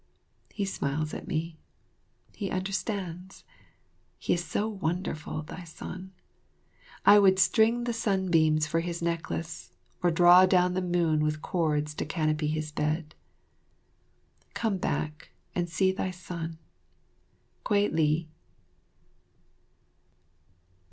He smiles at me, he understands. He is so wonderful, thy son. I would "string the sunbeams for his necklace or draw down the moon with cords to canopy his bed." Come back and see thy son. Kwei li.